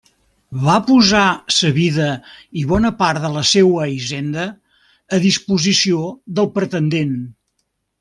Va posar sa vida i bona part de la seua hisenda a disposició del Pretendent.